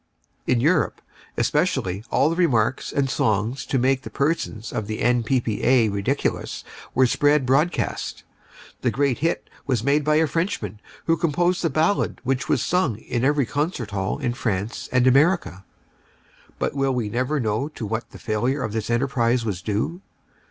In Europe, especially, all the remarks and songs to make the persons of the N.P.P.A. ridiculous were spread broadcast. The greatest hit was made by a Frenchman, who composed a ballad which was sung in every concert hall of France and America. But will we never know to what the failure of this enterprise was due?